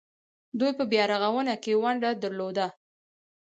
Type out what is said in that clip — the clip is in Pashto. دوی په بیارغونه کې ونډه درلوده.